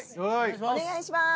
お願いしまーす。